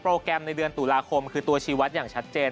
แกรมในเดือนตุลาคมคือตัวชีวัตรอย่างชัดเจน